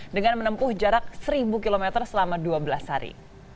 dengan menempuh jarak seribu km selama dua belas hari